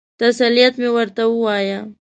تسلیت مې ورته ووایه.